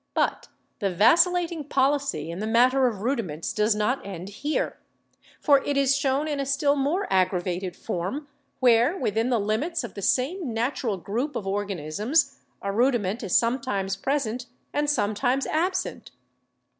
But the vacillating policy in the matter of rudi ments does not end here; for it is shown in a still more aggravated form where within the limits of the same nat ural group of organisms a rudiment is sometimes present and sometimes absent.